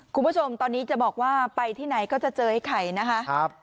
คุณผู้ชมตอนนี้จะบอกว่าไปที่ไหนก็จะเจอไอ้ไข่นะคะ